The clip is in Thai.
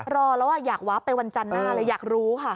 รอแล้วอยากวับไปวันจันทร์หน้าเลยอยากรู้ค่ะ